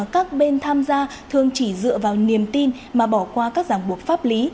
các bên tham gia thường chỉ dựa vào niềm tin mà bỏ qua các giảng buộc pháp lý